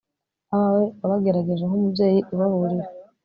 abawe wabagerageje nk'umubyeyi ubaburira